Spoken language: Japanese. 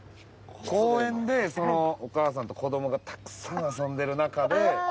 公園でお母さんと子供がたくさん遊んでる中で。